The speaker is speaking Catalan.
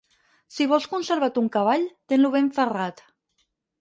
Si vols conservar ton cavall, ten-lo ben ferrat.